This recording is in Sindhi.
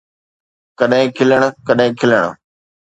ڪڏھن کلڻ، ڪڏھن کلڻ